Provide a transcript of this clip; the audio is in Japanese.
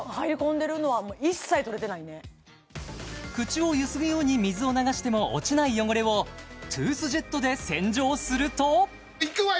口をゆすぐように水を流しても落ちない汚れをトゥースジェットで洗浄するといくわよ